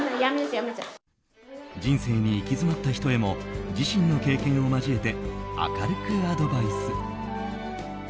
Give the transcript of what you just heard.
人生に行き詰まった人へも自身の経験を交えて明るくアドバイス。